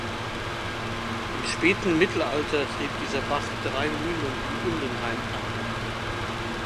Im späten Mittelalter trieb dieser Bach drei Mühlen in Undenheim an.